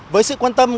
với sự quan tâm